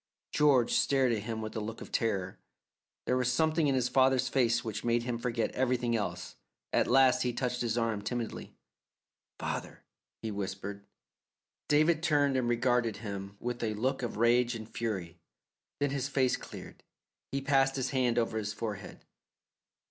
George stared at him with a look of horror. There was something in his father's face which made him forget everything else. At last he touched his arm timidly. "Father," he whispered. David turned and regarded him with a look of rage and fury, then his face cleared; he passed his hand over his forehead.